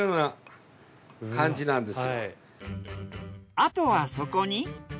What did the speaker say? あとはそこに。